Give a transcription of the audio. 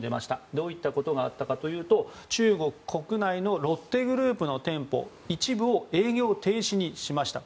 どういうことがあったかというと中国国内のロッテグループの店舗の一部を営業停止にしました。